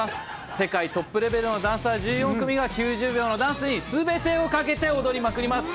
世界トップレベルのダンサー１４組が９０秒のダンスにすべてを懸けて踊りまくります。